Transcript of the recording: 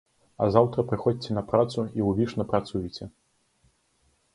А заўтра прыходзьце на працу, і ўвішна працуйце.